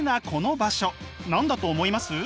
何だと思います？